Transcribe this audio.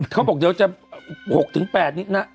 เขาบอกเดี๋ยวจะ๖๘นิดนะ